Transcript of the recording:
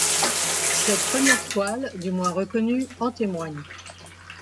Cette première toile, du moins reconnue, en témoigne.